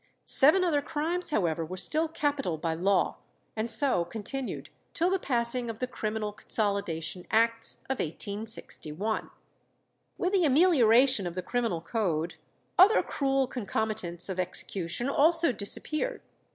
Seven other crimes, however, were still capital by law, and so continued till the passing of the Criminal Consolidation Acts of 1861. With the amelioration of the criminal code, other cruel concomitants of execution also disappeared.